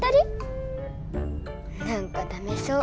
なんかダメそう。